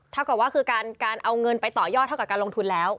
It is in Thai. กับว่าคือการเอาเงินไปต่อยอดเท่ากับการลงทุนแล้ว